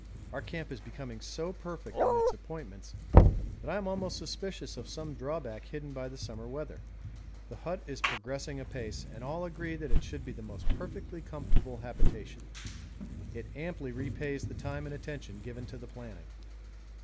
Our camp is becoming so perfect in its appointments that I am almost suspicious of some drawback hidden by the summer weather. The hut is progressing apace, and all agree that it should be the most perfectly comfortable habitation. 'It amply repays the time and attention given to the planning.'